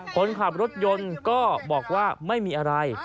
คนขับรถยนต์ก็บอกว่าไม่มีอะไร